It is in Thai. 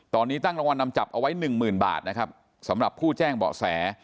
ตอนนี้ตั้งรางวัลนำจับเอาไว้หนึ่งหมื่นบาทนะครับสำหรับผู้แจ้งเบาะแส